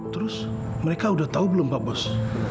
terus mereka udah tahu belum pak bos